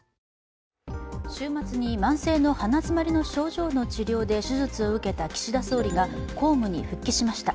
週末に慢性の鼻づまりの症状の治療で手術を受けた岸田総理が公務に復帰しました。